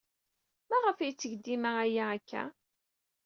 Maɣef ay yetteg dima aya akka?